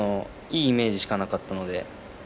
いいイメージしかなかったので。